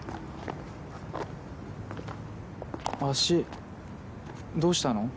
足どうしたの？